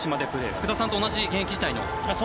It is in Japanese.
福田さんと同じ現役時代の。